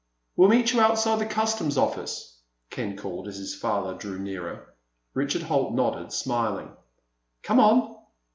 "We'll meet you outside the customs office," Ken called, as his father drew nearer. Richard Holt nodded, smiling. "Come on!"